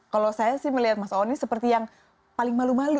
kalau saya sih melihat mas awan ini seperti yang paling malu malu